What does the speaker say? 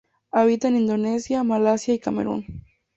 Habita en Indonesia, Malasia y Camerún.